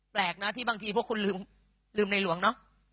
แปลกนะที่บางทีพวกคุณลืมในหลวงเนอะ